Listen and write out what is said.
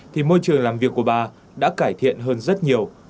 thì môi trường làm việc của bà đã cải thiện hơn rất nhiều